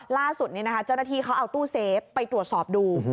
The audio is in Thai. ล่าสุดเจ้าหน้าที่เขาเอาตู้เซฟไปตรวจสอบดู